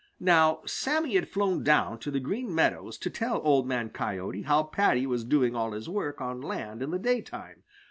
Now Sammy had flown down to the Green Meadows to tell Old Man Coyote how Paddy was doing all his work on land in the daytime.